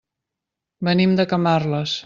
Venim de Camarles.